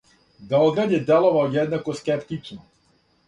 Београд је деловао једнако скептично.